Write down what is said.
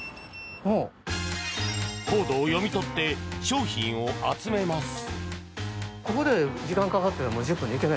コードを読み取って商品を集めます。